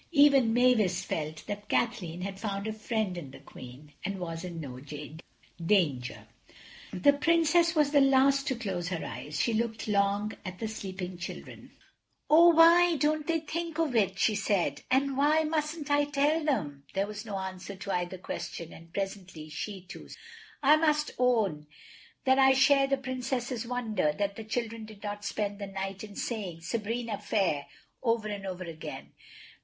Even Mavis felt that Kathleen had found a friend in the Queen, and was in no danger. The Princess was the last to close her eyes. She looked long at the sleeping children. "Oh, why don't they think of it?" she said, "and why mustn't I tell them?" There was no answer to either question, and presently she too slept. I must own that I share the Princess's wonder that the children did not spend the night in saying "Sabrina fair" over and over again.